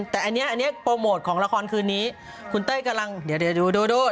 แต่อันนี้อันนี้โปรโมทของละครคืนนี้คุณเต้ยกำลังเดี๋ยวดูดู